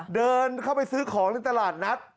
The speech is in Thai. เดินเข้าไปซื้อของในตลาดนัด